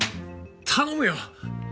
頼むよ！